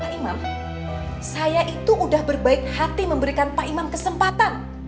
pak imam saya itu udah berbaik hati memberikan pak imam kesempatan